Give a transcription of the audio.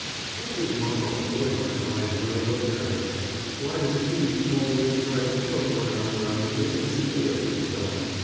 Why does mamma avoid my eyes when I look at her? Why does he always try to joke when I'm around and make a silly of himself?